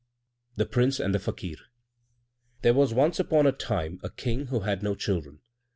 The Prince and the Fakir There was once upon a time a King who had no children.